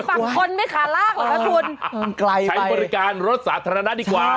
ในบ้านอยู่ฝั่งคนไม่ขาดรากเหรอครับคุณใกล้ไปใช้บริการรถสาธารณะดีกว่า